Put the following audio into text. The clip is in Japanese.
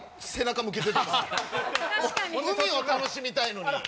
海を楽しみたいのに。